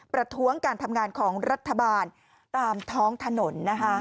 ประท้วงการทำงานของรัฐบาลตามท้องถนน